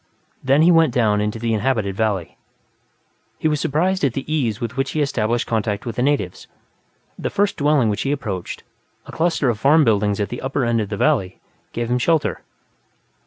Then he went down into the inhabited valley. He was surprised at the ease with which he established contact with the natives. The first dwelling which he approached, a cluster of farm buildings at the upper end of the valley, gave him shelter.